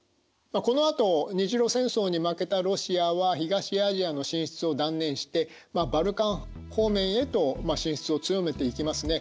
このあと日露戦争に負けたロシアは東アジアの進出を断念してバルカン方面へと進出を強めていきますね。